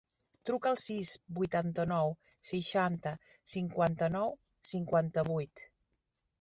Truca al sis, vuitanta-nou, seixanta, cinquanta-nou, cinquanta-vuit.